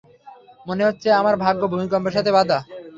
মনে হচ্ছে আমার ভাগ্য ভূমিকম্পের সাথে বাঁধা।